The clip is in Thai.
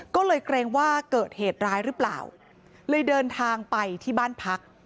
ก็เลยเกรงว่าเกิดเหตุร้ายหรือเปล่าเลยเดินทางไปที่บ้านพัก